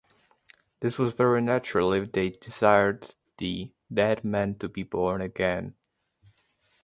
This was very natural if they desired the dead man to be born again.